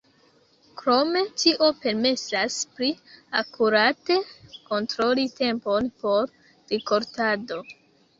Krome tio permesas pli akurate kontroli tempon por rikoltado.